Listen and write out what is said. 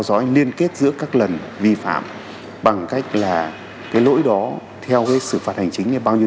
dõi liên kết giữa các lần vi phạm bằng cách là cái lỗi đó theo với sự phạt hành chính như bao nhiêu